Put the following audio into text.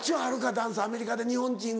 ダンスアメリカで日本人を。